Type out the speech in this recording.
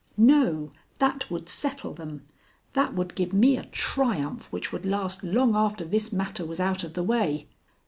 "No; that would settle them; that would give me a triumph which would last long after this matter was out of the way."